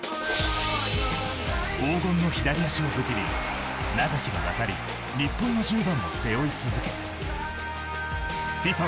黄金の左足を武器に長きにわたり日本の１０番を背負い続けＦＩＦＡ